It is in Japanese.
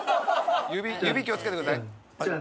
指気をつけてください。